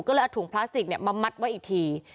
ก็เลยเอาถุงพลาสติกมามัดไว้อีกที